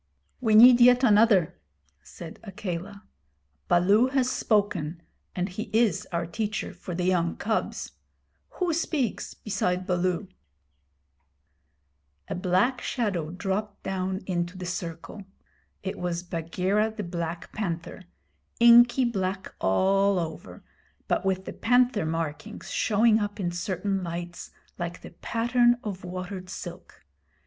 'We need yet another,' said Akela. 'Baloo has spoken, and he is our teacher for the young cubs. Who speaks beside Baloo?' A black shadow dropped down into the circle. It was Bagheera the Black Panther, inky black all over, but with the panther markings showing up in certain lights like the pattern of watered silk.